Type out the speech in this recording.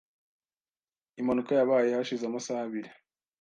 Impanuka yabaye hashize amasaha abiri .